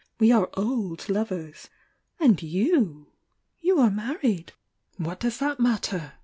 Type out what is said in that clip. We are o!d lovers! And you— you are married." .,, c ii " m^ "What does that matter?"